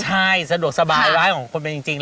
ใช่สะดวกสบายร้ายของคนเป็นจริง